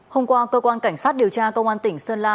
hôm qua cơ quan cảnh sát điều tra công an tỉnh sơn la